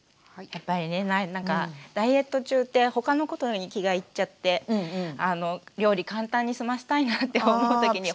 やっぱりねダイエット中って他のことに気がいっちゃって料理簡単に済ましたいなって思う時に。